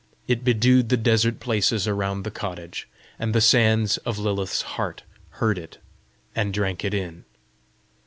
It bedewed the desert places around the cottage, and the sands of Lilith's heart heard it, and drank it in.